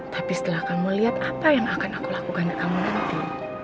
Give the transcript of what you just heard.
tapi setelah kamu lihat apa yang akan aku lakukan dan kamu nanti